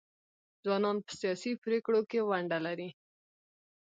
ځوانان په سیاسي پریکړو کې ونډه لري.